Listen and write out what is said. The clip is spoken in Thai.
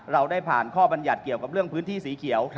เราได้ผ่านข้อบรรยัติเกี่ยวกับเรื่องพื้นที่สีเขียว